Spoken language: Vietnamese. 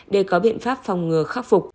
để có biện pháp phòng ngừa khắc phục